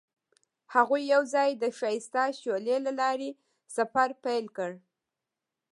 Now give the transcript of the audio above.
هغوی یوځای د ښایسته شعله له لارې سفر پیل کړ.